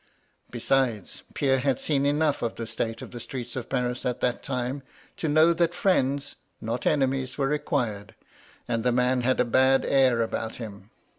Besides, Pierre had seen enough of the state of the streets of Paris at that time to know that friends, not enemies, were required, and the man had a bad air about him.